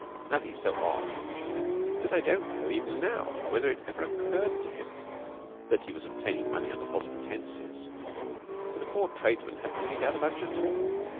Nutty's so odd that I don't know even now whether it ever occurred to him that he was obtaining money under false pretences; but the poor tradesmen hadn't any doubt about it at all.